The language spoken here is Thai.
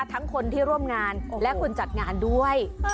ทั้งคนที่ร่วมงานและคนจัดงานด้วย